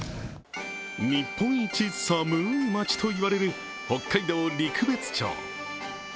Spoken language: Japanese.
日本一寒い町と言われる、北海道陸別町。